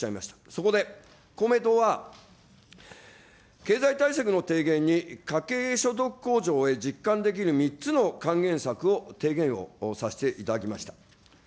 そこで公明党は、経済対策の提言に家計所得控除へ実感できる３つの還元策を提言をさせていただきました。